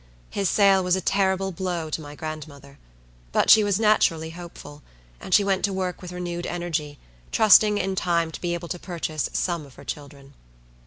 His sale was a terrible blow to my grandmother, but she was naturally hopeful, and she went to work with renewed energy, trusting in time to be able to purchase some of her children.